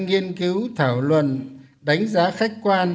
nghiên cứu thảo luận đánh giá khách quan